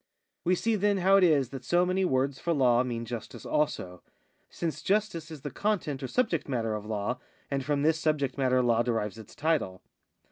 We see, then, how it is that so many words for law mean justice also ; since justice is the content or subject matter of law, and from this subject matter law derives its title.